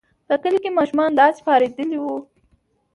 په کلي کې ماشومان داسې پارېدلي وو.